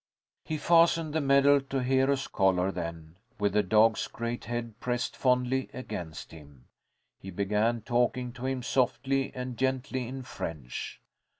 He fastened the medal to Hero's collar, then, with the dog's great head pressed fondly against him, he began talking to him softly and gently in French.